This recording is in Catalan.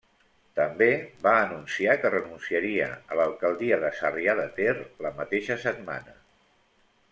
També va anunciar que renunciaria a l'alcaldia de Sarrià de Ter la mateixa setmana.